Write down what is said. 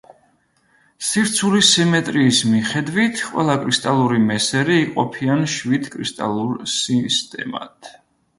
სივრცული სიმეტრიის მიხედვით, ყველა კრისტალური მესერი იყოფიან შვიდ კრისტალურ სისტემად.